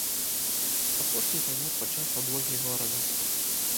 Апошні памёр падчас аблогі горада.